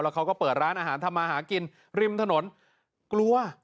เขาก็เปิดร้านอาหารทำมาหากินริมถนนกลัว